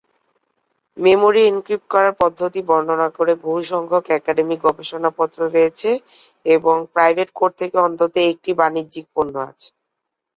Memory encrypt করার পদ্ধতি বর্ণনা করে বহুসংখ্যক একাডেমিক গবেষণাপত্র রয়েছে এবং প্রাইভেট-কোর থেকে অন্তত একটি বাণিজ্যিক পণ্য আছে।